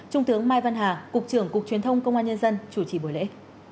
trung tướng mai văn hà cục trưởng cục truyền thông công an nhân dân chủ trì buổi lễ